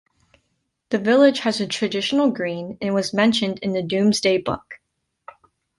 The village has a traditional green and was mentioned in the Domesday Book.